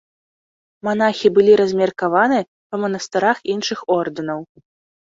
Манахі былі размеркаваны па манастырах іншых ордэнаў.